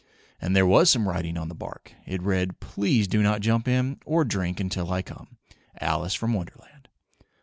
And there was some writing on the bark. It read: "Please do not jump in, or drink until I come. Alice from Wonderland."